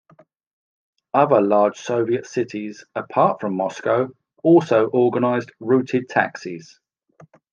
Other large Soviet cities apart from Moscow also organized routed taxis.